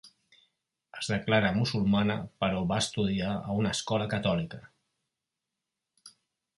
Es declara musulmana, però va estudiar a una escola catòlica.